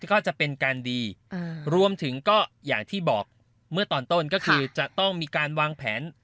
ก็จะเป็นการดีรวมถึงก็อย่างที่บอกเมื่อตอนต้นก็คือจะต้องมีการวางแผน